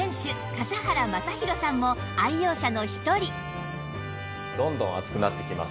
笠原将弘さんも愛用者の一人